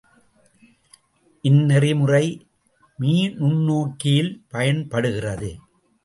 இந்நெறிமுறை மீநுண்ணோக்கியில் பயன்படுகிறது.